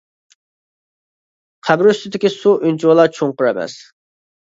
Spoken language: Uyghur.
قەبرە ئۈستىدىكى سۇ ئۇنچىۋالا چوڭقۇر ئەمەس.